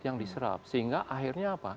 yang diserap sehingga akhirnya apa